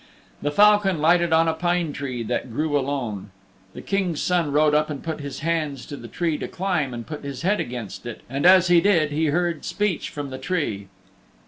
The falcon lighted on a pine tree that grew alone. The King's Son rode up and put his hands to the tree to climb and put his head against it, and as he did he heard speech from the tree.